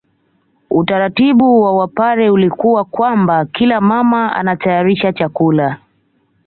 Utaratibu wa Wapare ulikuwa kwamba kila mama anatayarisha chakula